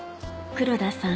黒田さん